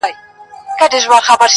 o پر شب پرستو بدلګېږم ځکه,